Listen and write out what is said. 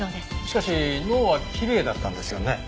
しかし脳はきれいだったんですよね？